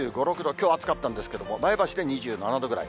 きょう暑かったんですけれども、前橋で２７度ぐらい。